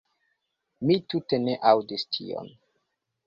Mi tute ne aŭdis tion."